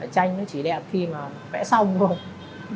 tranh nó chỉ đẹp khi mà vẽ xong thôi